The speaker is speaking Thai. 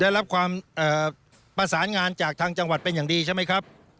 ได้รับความประสานงานจากทางจังหวัดเป็นอย่างดีใช่ไหมครับ